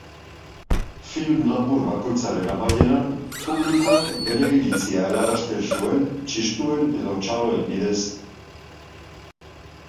Film labur bakoitzaren amaieran publikoak bere iritzia helarazten zuen txistuen edo txaloen bidez.